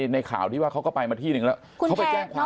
ในข่าวที่ว่าเขาก็ไปมาที่หนึ่งแล้ว